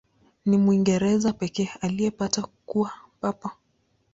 Ni Mwingereza pekee aliyepata kuwa Papa.